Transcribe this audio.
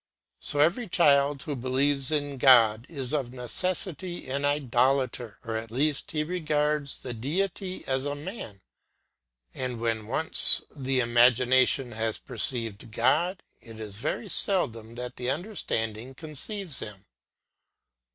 So every child who believes in God is of necessity an idolater or at least he regards the Deity as a man, and when once the imagination has perceived God, it is very seldom that the understanding conceives him.